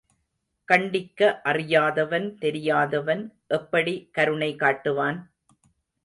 கண்டிக்க அறியாதவன், தெரியாதவன், எப்படி கருணை காட்டுவான்?